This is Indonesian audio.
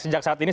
sejak saat ini